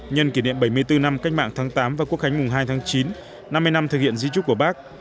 nhân kỷ niệm bảy mươi bốn năm cách mạng tháng tám và quốc khánh mùng hai tháng chín năm mươi năm thực hiện di trúc của bác